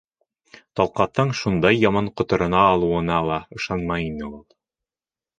Талҡаҫтың шундай яман ҡоторона алыуына ла ышанмай ине ул.